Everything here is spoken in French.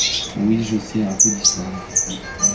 Oui, je sais un peu d’histoire!